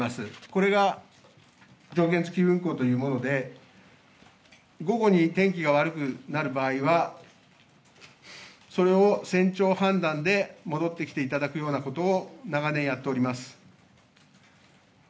これが条件付き運航というもので、午後に天気が悪くなる場合は、それを船長判断で戻ってきていただくようなことを、長年やっております。